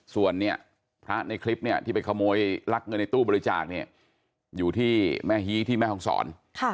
ส่วนพระในคลิปที่ไปขโมยรักเงินในตู้บริจาคอยู่ที่แม่ฮีที่แม่คลองศร